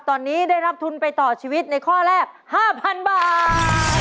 ตอนนี้ได้รับทุนไปต่อชีวิตในข้อแรก๕๐๐๐บาท